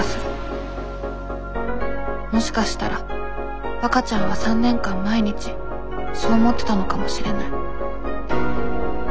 もしかしたらわかちゃんは３年間毎日そう思ってたのかもしれない。